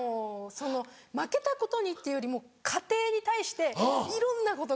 その負けたことにっていうよりも過程に対していろんなことが。